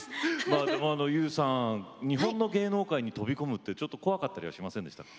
まあでも優さん日本の芸能界に飛び込むってちょっと怖かったりはしませんでしたか？